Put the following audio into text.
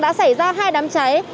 đã xảy ra hai đám cháy